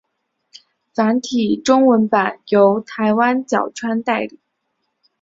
繁体中文版由台湾角川代理。